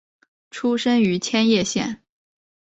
出身于千叶县。